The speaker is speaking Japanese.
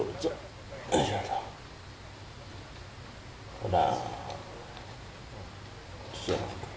ほら。